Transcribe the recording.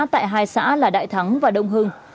tại hai xã là đại thắng và đông hưng